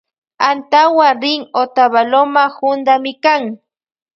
Antawu rin otavaloma juntamikan.